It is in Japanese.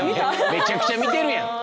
めちゃくちゃ見てるやん。